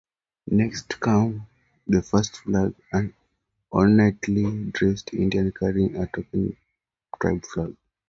Next comes the "first flag," an ornately dressed Indian carrying a token tribe flag.